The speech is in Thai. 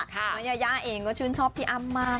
น้องยายาเองก็ชื่นชอบพี่อ้ำมาก